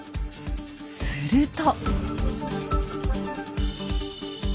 すると。